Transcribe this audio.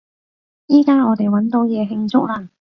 依加我哋搵到嘢慶祝喇！